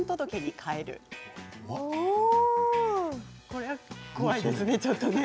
これは怖いですね。